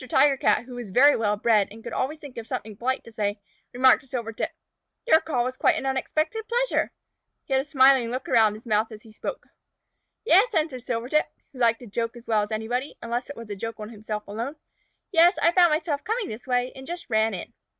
Tiger Cat, who was very well bred and could always think of something polite to say, remarked to Silvertip: "Your call was quite an unexpected pleasure!" He had a smiling look around the mouth as he spoke. "Yes," answered Silvertip, who liked a joke as well as anybody, unless it were a joke on himself alone. "Yes, I found myself coming this way, and just ran in."